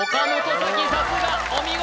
さすがお見事！